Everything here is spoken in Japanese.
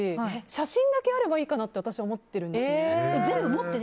写真だけあればいいかなと私は思ってるんですね。